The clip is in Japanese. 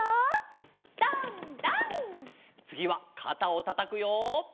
つぎはかたをたたくよ。